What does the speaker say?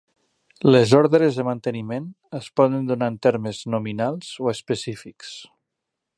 Les ordres de manteniment es poden donar en termes nominals o específics.